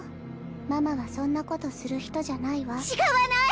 ママはそんなことする人じゃないわ違わない！